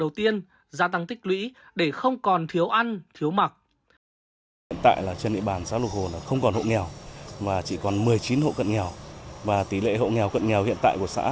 đầu tiên gia tăng tích lũy để không còn thiếu ăn thiếu mặc